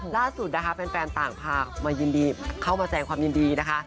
ล่าสุดนะคะแฟนต่างพามายินดีเข้ามาแสงความยินดีนะคะ